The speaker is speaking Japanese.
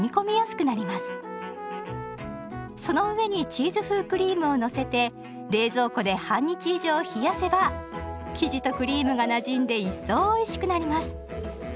その上にチーズ風クリームをのせて冷蔵庫で半日以上冷やせば生地とクリームがなじんで一層おいしくなります。